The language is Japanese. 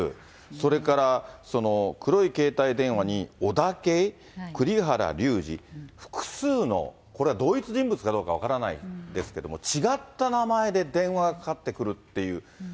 それから黒い携帯電話に、オダケイ、クリハラリュウジ、複数の、これは同一人物かどうか分からないですけれども、違った名前で電話がかかってくるっていう。